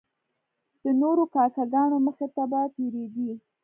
د نورو کاکه ګانو مخې ته به تیریدی.